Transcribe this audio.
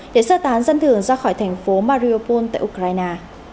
để sơ tán dân thường ra khỏi thành phố mariopol tại ukraine